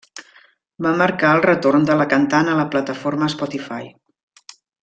Va marcar el retorn de la cantant a la plataforma Spotify.